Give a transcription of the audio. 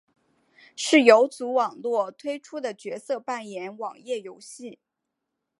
是游族网络推出的角色扮演网页游戏。